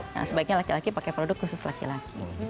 nah sebaiknya laki laki pakai produk khusus laki laki